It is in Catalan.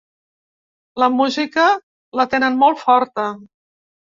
La música la tenen molt forta.